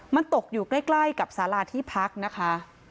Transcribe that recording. มันตกอยู่ใกล้กับสาราที่พักนะคะ